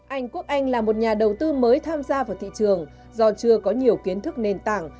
anh quốc anh là một nhà đầu tư mới tham gia vào thị trường do chưa có nhiều kiến thức nền tảng